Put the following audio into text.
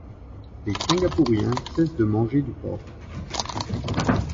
Les Singapouriens cessent de manger du porc.